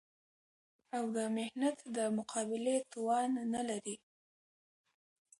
او د محنت د مقابلې توان نه لري